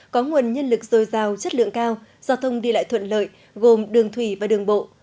có nguồn nhân lực dồi dào chất lượng cao giao thông đi lại thuận lợi gồm đường thủy và đường bộ